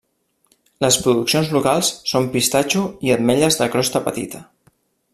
Les produccions locals són pistatxo i ametlles de crosta petita.